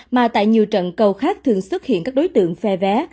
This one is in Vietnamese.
mà tại nhiều trận cầu khác thường xuất hiện các đối tượng phe vé